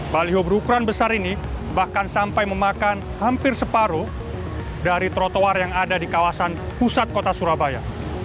baliho berukuran besar ini bahkan sampai memakan hampir separuh dari trotoar yang ada di kawasan pusat kota surabaya